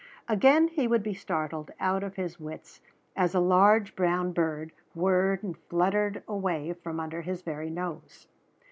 Again he would be startled out of his wits as a large brown bird whirred and fluttered away from under his very nose.